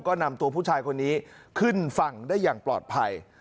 ก็นำตัวผู้ชายคนนี้ขึ้นฝั่งได้อย่างปลอดภัย